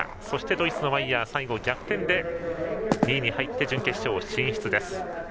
そしてドイツのマイヤー最後、逆転で２位に入って準決勝進出です。